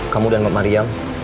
kamu dan mbak mariam